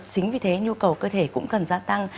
chính vì thế nhu cầu cơ thể cũng cần gia tăng